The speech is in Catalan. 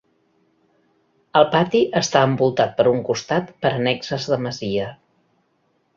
El pati està envoltat per un costat per annexes de masia.